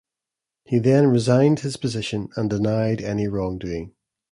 He then resigned his position and denied any wrongdoing.